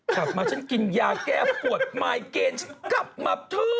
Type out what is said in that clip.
กลับมาฉันกินยาแก้ปวดมายเกณฑ์ฉันกลับมาเถอะ